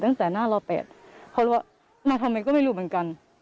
ตั้งแต่หน้าล๘เขาเลยว่ามาทำไมก็ไม่รู้เหมือนกัน